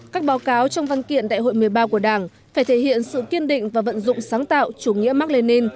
các báo cáo trong văn kiện đại hội một mươi ba của đảng phải thể hiện sự kiên định và vận dụng sáng tạo chủ nghĩa mạc lê ninh